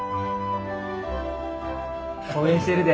応援してるで。